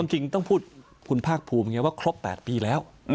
จริงต้องพูดคุณภาคภูมิว่าครบ๘ปีแล้ว